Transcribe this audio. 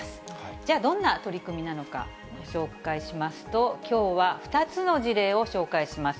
じゃあ、どんな取り組みなのか、ご紹介しますと、きょうは２つの事例を紹介します。